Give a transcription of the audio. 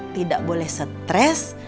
tidak boleh stress